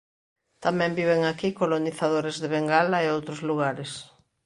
Tamén viven aquí colonizadores de Bengala e outros lugares.